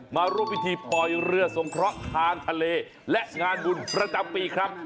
มาร่วมพิธีปล่อยเรือสงเคราะห์ทางทะเลและงานบุญประจำปีครับ